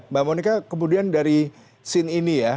mbak monika kemudian dari scene ini ya